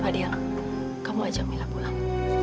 fadil kamu ajak mila pulang